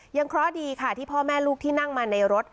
เคราะห์ดีค่ะที่พ่อแม่ลูกที่นั่งมาในรถ